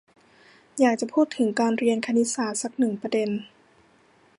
อยากจะพูดถึงการเรียนคณิตศาสตร์สักหนึ่งประเด็น